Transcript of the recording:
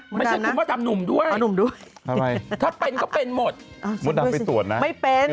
ไม่ใช่คุณพ่อดำหนุ่มด้วยถ้าเป็นก็เป็นหมดมดดำไปตรวจนะไม่เป็น